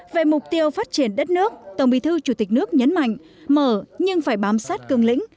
về mục tiêu phát triển đất nước tổng bí thư chủ tịch nước nhấn mạnh mở nhưng phải bám sát cường lĩnh